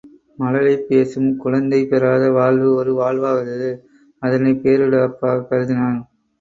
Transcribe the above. மழலை பேசும் குழந்தை பெறாத வாழ்வு ஒரு வாழ்வாகாது அதனைப் பேரிழப்பாகக் கருதினான்.